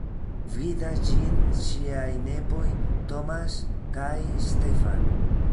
Gvidas ĝin ŝiaj nepoj Thomas kaj Stephan.